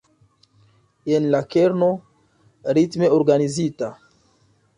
Jen la kerno: ritme organizita.